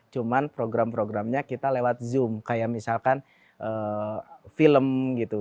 cuma program programnya kita lewat zoom kayak misalkan film gitu